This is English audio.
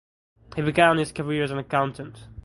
He began his career as an accountant.